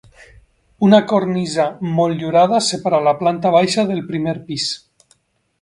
Una cornisa motllurada separa la planta baixa del primer pis.